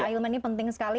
ilmah ini penting sekali